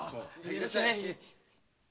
いらっしゃい！